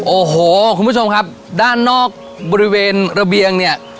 โอ้โหคุณผู้ชมครับด้านนอกบริเวณระเบียงเนี่ย